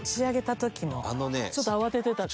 ちょっと慌ててたから。